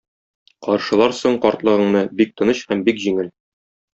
Каршыларсың картлыгыңны бик тыныч һәм бик җиңел.